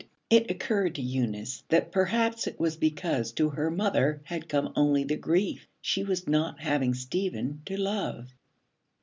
It occurred to Eunice that perhaps it was because to her mother had come only the grief. She was not having Stephen to love.